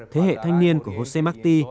thế hệ thanh niên của jose marti